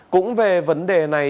cũng về vấn đề này